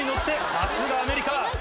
さすがアメリカ。